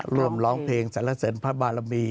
ร่วมร้องเพลงสรรษนพระบารมี